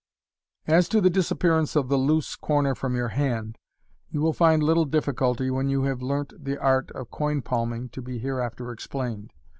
As to the disaoDearance of the loose corner from your hand, yoo will find little difficulty when you hay*1 learnt the art of coin palming to be hereafter explained.